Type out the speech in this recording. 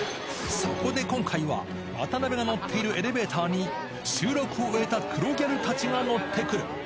そこで今回は、渡辺が乗っているエレベーターに収録を終えた黒ギャルたちが乗ってくる。